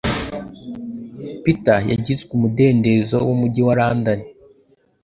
Peter yagizwe umudendezo wumujyi wa London